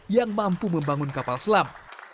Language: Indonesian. yang mampu membangun kapal selam